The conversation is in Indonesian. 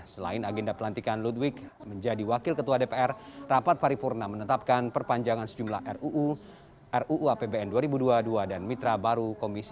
selain agenda pelantikan ludwig menjadi wakil ketua dpr rapat paripurna menetapkan perpanjangan sejumlah ruu ruu apbn dua ribu dua puluh dua dan mitra baru komisi dua